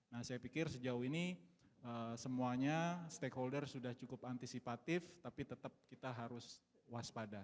nah saya pikir sejauh ini semuanya stakeholder sudah cukup antisipatif tapi tetap kita harus waspada